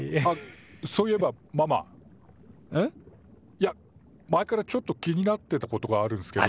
いや前からちょっと気になってたことがあるんすけど。